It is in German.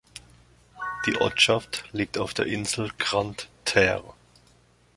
Die Ortschaft liegt auf der Insel Grande-Terre.